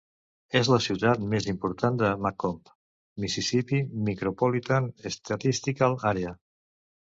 És la ciutat més important de McComb, Mississippi Micropolitan Statistical Area.